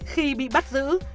khi bị bắt giữ